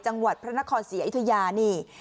จังหวัดพระนครศรีอยุธยานี่